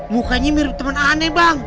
mukanya mirip teman aneh bang